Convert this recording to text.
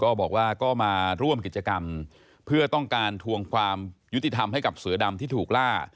ก็บอกว่าก็มาร่วมกิจกรรมเพื่อต้องการทวงความยุติธรรมให้กับเสือดำที่ถูกล่า